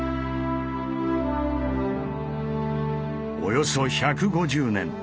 およそ１５０年